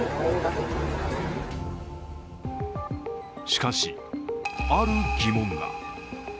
しかし、ある疑問が。